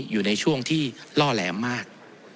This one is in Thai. อยู่ในช่วงที่ล่อแหลมมาก